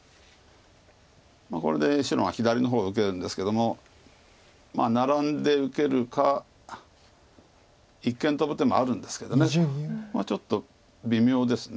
これで白が左の方を受けるんですけどもナラんで受けるか一間トブ手もあるんですけどちょっと微妙です。